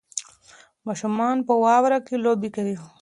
ماشومان په واوره کې لوبې کوي.